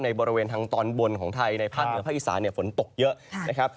บริเวณทางตอนบนของไทยในภาคเหนือภาคอีสานฝนตกเยอะนะครับ